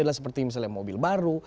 adalah seperti misalnya mobil baru